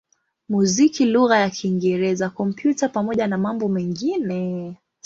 muziki lugha ya Kiingereza, Kompyuta pamoja na mambo mengine.